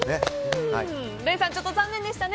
礼さん、ちょっと残念でしたね。